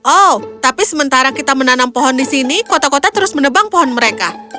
oh tapi sementara kita menanam pohon di sini kota kota terus menebang pohon mereka